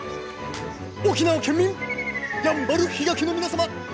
沖縄県民やんばる比嘉家の皆様！